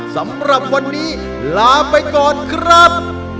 สำหรับวันนี้ลาไปก่อนครับ